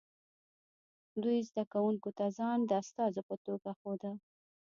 دوی زده کوونکو ته ځان د استازو په توګه ښوده